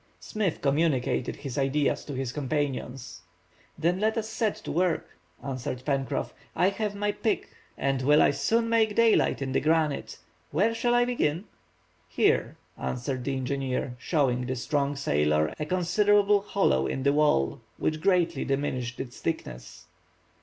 Smith communicated his ideas to his companions. "Then let us set to work!" answered Pencroff; "I have my pick and will I soon make daylight in the granite! Where shall I begin?" "Here," answered the engineer, showing the strong sailor a considerable hollow in the wall, which greatly diminished its thickness.